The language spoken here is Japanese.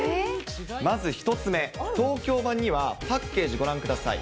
まず１つ目、東京版にはパッケージ、ご覧ください。